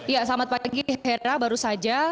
ya selamat pagi hera baru saja